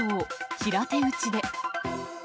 平手打ちで。